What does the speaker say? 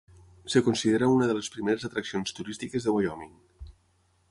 Es considera una de les primeres atraccions turístiques de Wyoming.